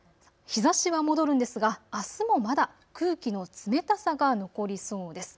日ざしは戻るんですがあすもまだ空気の冷たさが残りそうです。